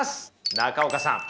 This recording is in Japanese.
中岡さん